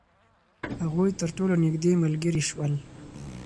هغوی تر ټولو نژدې ملګري شول.